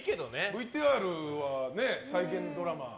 ＶＴＲ、再現ドラマ。